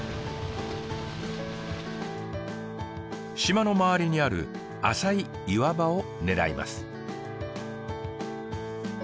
島の周りにある浅い岩場を狙います。